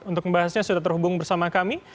untuk membahasnya sudah terhubung bersama kami